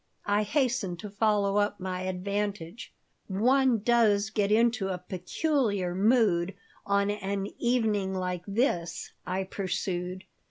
I hastened to follow up my advantage "One does get into a peculiar mood on an evening like this," I pursued.